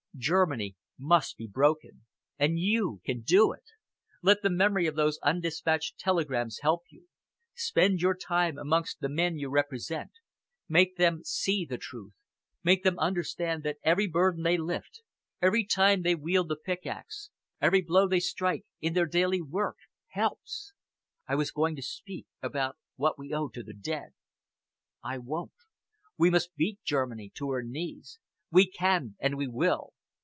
Germany must be broken, and you can do it. Let the memory of those undispatched telegrams help you. Spend your time amongst the men you represent. Make them see the truth. Make them understand that every burden they lift, every time they wield the pickaxe, every blow they strike in their daily work, helps. I was going to speak about what we owe to the dead. I won't. We must beat Germany to her knees. We can and we will.